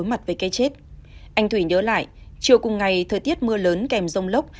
anh thủy nhớ lại chiều cùng ngày thời tiết mưa lớn kèm rông lốc